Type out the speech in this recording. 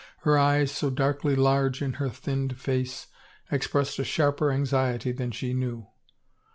Her eyes, so darkly large in her thinned face, expressed a sharper anxiety than she knew.